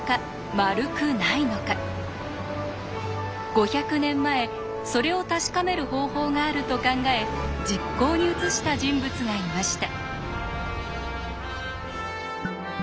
５００年前それを確かめる方法があると考え実行に移した人物がいました。